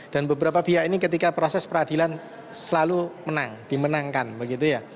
dan beberapa pihak ini ketika proses peradilan selalu menang dimenangkan begitu ya